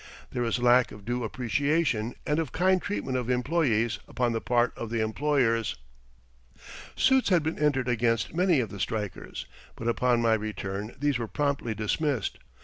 There is lack of due appreciation and of kind treatment of employees upon the part of the employers. Suits had been entered against many of the strikers, but upon my return these were promptly dismissed.